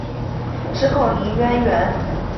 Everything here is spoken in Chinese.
之后林渊源再将白派事务传承给王金平。